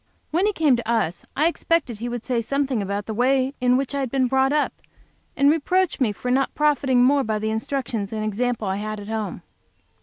When he came to us I expected he would say something about the way in which I had been brought up, and reproach me for not profiting more by the instructions and example I had at home.